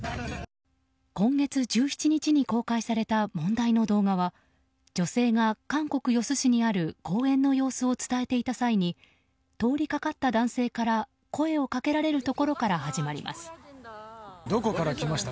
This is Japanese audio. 今月１７日に公開された問題の動画は女性が、韓国ヨス市にある公園の様子を伝えていた際に通りかかった男性から声をかけられるところから始まります。